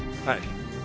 はい。